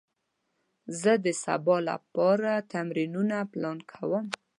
زه د سبا لپاره تمرینونه پلان کوم.